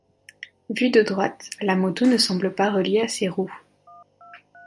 Vue de droite, la moto ne semble pas reliée à ses roues.